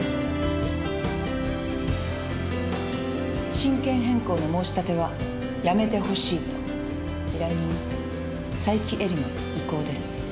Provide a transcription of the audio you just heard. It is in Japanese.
親権変更の申し立てはやめてほしいと依頼人佐伯絵里の意向です。